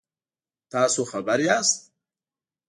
تاسو خبر یاست؟